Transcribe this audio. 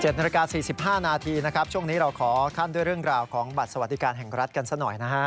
นาฬิกา๔๕นาทีนะครับช่วงนี้เราขอขั้นด้วยเรื่องราวของบัตรสวัสดิการแห่งรัฐกันซะหน่อยนะฮะ